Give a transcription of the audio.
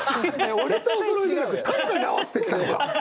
俺とおそろいじゃなくて短歌に合わせてきたのか。